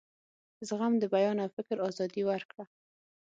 زغم د بیان او فکر آزادي ورکړه.